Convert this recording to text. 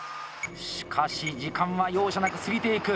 しかし時間は容赦なく過ぎていく。